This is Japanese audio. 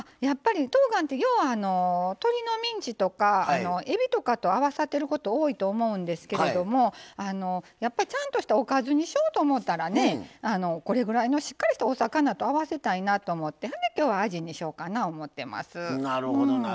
とうがんって要は、鶏のミンチとかえびとかと合わせること多いと思うんですけれどもちゃんとしたおかずにしようと思ったらこれぐらいのしっかりしたお魚と合わせたいと思ってあじにしようかな思ってます。